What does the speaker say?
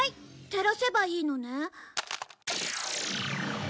照らせばいいのね。